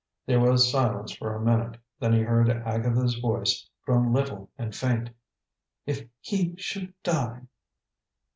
There was silence for a minute, then he heard Agatha's voice, grown little and faint. "If he should die